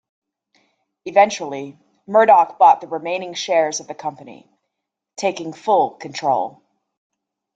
Eventually, Murdoch bought the remaining shares of the company, taking full control.